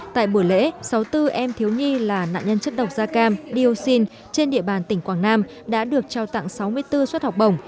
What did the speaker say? tại buổi lễ sáu mươi bốn em thiếu nhi là nạn nhân chất độc da cam dioxin trên địa bàn tỉnh quảng nam đã được trao tặng sáu mươi bốn suất học bổng